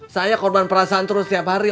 saya korban perasaan terus setiap hari